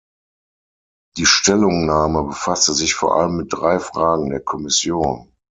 Die Stellungnahme befasste sich vor allem mit drei Fragen der Kommission.